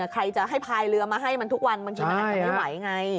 ใครจะให้พายเรือมาให้มันทุกวันบางทีมันอาจจะไม่ไหวไง